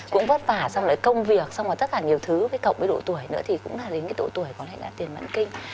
cũng vất vả xong rồi công việc xong rồi tất cả nhiều thứ với cộng với độ tuổi nữa thì cũng là đến cái độ tuổi có thể là tiền mẵn kinh